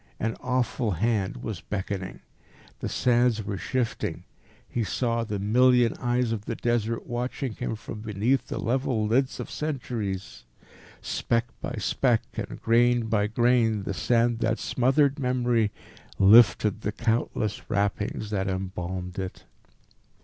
An awful hand was beckoning. The sands were shifting. He saw the million eyes of the Desert watching him from beneath the level lids of centuries. Speck by speck, and grain by grain, the sand that smothered memory lifted the countless wrappings that embalmed it.